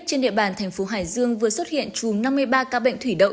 trên địa bàn thành phố hải dương vừa xuất hiện chùm năm mươi ba ca bệnh thủy đậu